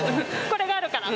これがあるから？